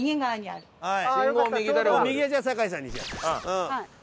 はい。